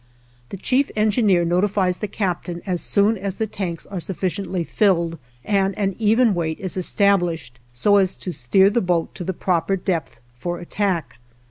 The chief engineer notifies the captain as soon as the tanks are sufficiently filled and an even weight is established so as to steer the boat to the proper depth for attack.